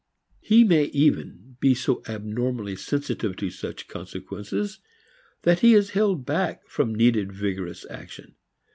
He may even be so abnormally sensitive to such consequences that he is held back from needed vigorous action.